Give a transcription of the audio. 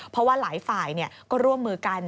เพราะว่าหลายฝ่ายก็ร่วมมือกัน